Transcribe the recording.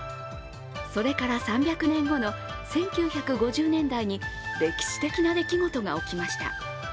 それから３００年後の１９５０年代に歴史的な出来事が起きました。